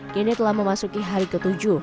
kini telah memasuki hari ke tujuh